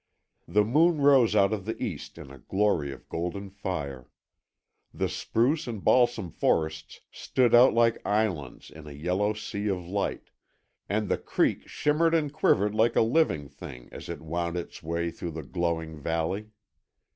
The moon rose out of the east in a glory of golden fire. The spruce and balsam forests stood out like islands in a yellow sea of light, and the creek shimmered and quivered like a living thing as it wound its way through the glowing valley.